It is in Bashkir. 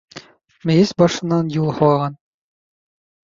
Мейес башынан юл һалған.